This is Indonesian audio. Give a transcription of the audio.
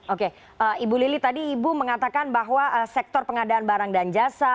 oke ibu lili tadi ibu mengatakan bahwa sektor pengadaan barang dan jasa